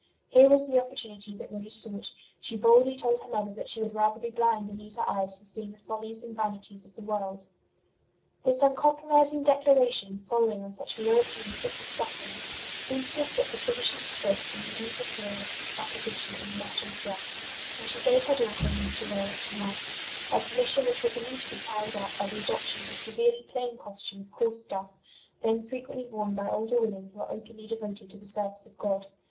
Here was the opportunity that Rose sought : she boldly told her mother that she would rather be blind than use her eyes for seeing the follies and vanities of the world 1 HER VICTORY OVER VANITY 67 This uncompromising declaration, following on such heroically inflicted suffering, seems to have put the finishing stroke to Marie de Flores oppo sition in the matter of dress, and she gave her daughter leave to wear what she liked : a per mission which was immediately carried out by the adoption of a severely plain costume of coarse stuff, then frequently worn by older women who were openly devoted to the service of God.